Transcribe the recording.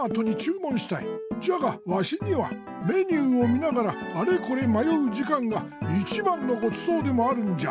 じゃがワシにはメニューをみながらあれこれまようじかんがいちばんのごちそうでもあるんじゃ。